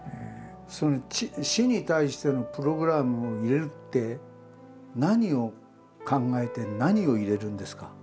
その死に対してのプログラムを入れるって何を考えて何を入れるんですか？